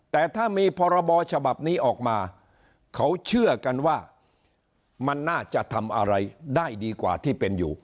แต่ถ้ามีพรบฉบับนี้ออกมาเขาเชื่อกันว่ามันน่าจะทำอะไรได้ดีกว่าที่เป็นอยู่